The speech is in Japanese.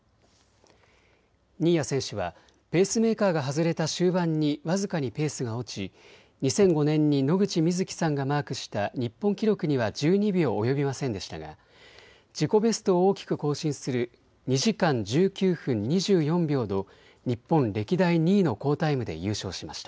新谷選手はペースメーカーが外れた終盤に僅かにペースが落ち２００５年に野口みずきさんがマークした日本記録には１２秒及びませんでしたが自己ベストを大きく更新する２時間１９分２４秒の日本歴代２位の好タイムで優勝しました。